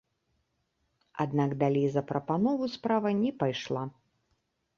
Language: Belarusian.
Аднак далей за прапанову справа не пайшла.